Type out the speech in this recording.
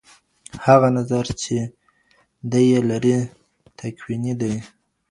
هغه نظر چې دی یې لري تکوینی دی.